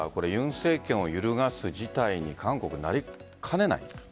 尹政権を揺るがす事態に韓国なりかねない？